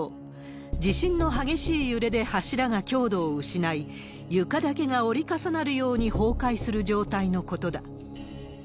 地震の激しい揺れで柱が強度を失い、床だけが折り重なるように崩壊する状態のことだ。